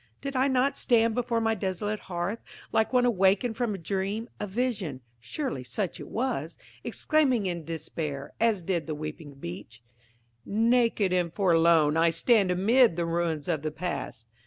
Did I not stand before my desolate hearth, like one awakened from a dream, a vision–(surely such it was!)–exclaiming in despair, as did the weeping Beech, "Naked and forlorn I stand amid the ruins of the past."